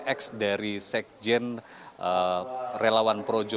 sudah tidak lagi bergabung dengan relawan projo